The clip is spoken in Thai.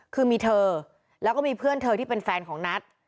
คือมีเธอแล้วก็มีเพื่อนเธอที่เป็นแฟนของนัท